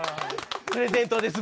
プレゼントです。